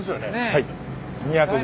はい。